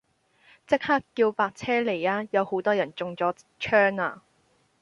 即刻叫白車嚟吖，有好多人中咗槍啊